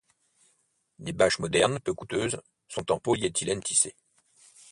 Les bâches modernes peu coûteuses sont en polyéthylène tissé.